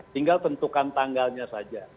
tinggal tentukan tanggalnya saja